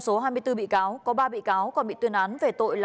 số hai mươi bốn bị cáo có ba bị cáo còn bị tuyên án về tội là